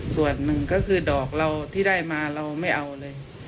ส่วนหนึ่งก็คือดอกเราที่ได้มาเราไม่เอาเลย